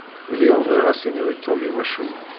Lliɣ bɣiɣ ad s-iniɣ i Tom iwacu.